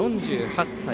４８歳。